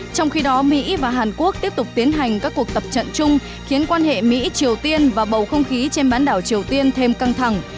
trong khi đó mỹ và hàn quốc tiếp tục tiến hành các cuộc tập trận chung khiến quan hệ mỹ triều tiên và bầu không khí trên bán đảo triều tiên thêm căng thẳng